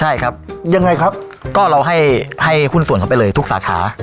ใช่ครับยังไงครับก็เราให้หุ้นส่วนเขาไปเลยทุกสาขา